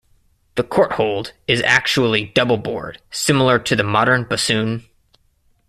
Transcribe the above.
The kortholt is actually double bored, similar to the modern bassoon.